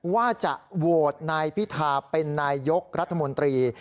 ว่าจะโหวตนายพิธาเป็นนายยกรัฐมนตรี